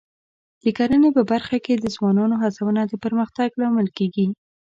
د کرنې په برخه کې د ځوانانو هڅونه د پرمختګ لامل کېږي.